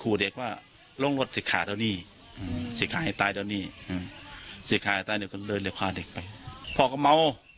อืมสิทธิ์ค่ะแต่เด็กก็เลิกเล็กฆ่าเด็กไปพ่อก็เมา